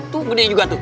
tuh gede juga tuh